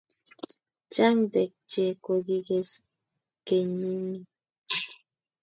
Chang' peek che kokiges Kenyinni